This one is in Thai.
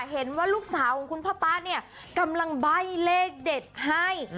เห็นว่าลูกสาวของคุณพ่อป๊าเนี่ยกำลังใบ้เลขเด็ดให้